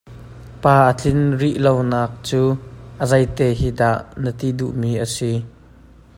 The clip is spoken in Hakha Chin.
Pa a tlin rih lo naak cu a zeite hi dah na ti duhmi a si?